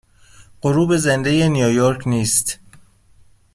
غروب زنده نیویورک نیست